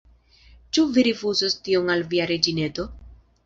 Ĉu Vi rifuzos tion al Via reĝineto?